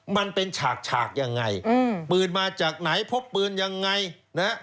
มันเป็นฉากฉากยังไงอืมปืนมาจากไหนพบปืนยังไงนะฮะ